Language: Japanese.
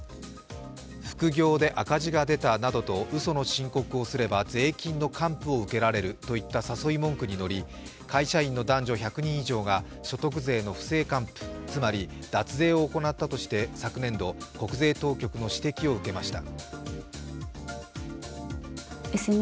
副業で赤字が出たなどとうその申告をすれば税金の還付を受けられるといった誘い文句にのり、会社員の男女１００人以上が所得税の不正還付、つまり脱税を行ったとして昨年度国税当局の指摘を受けました。